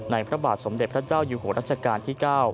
พระบาทสมเด็จพระเจ้าอยู่หัวรัชกาลที่๙